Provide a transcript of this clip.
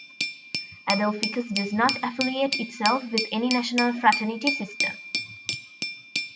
Adelphikos does not affiliate itself with any national fraternity system.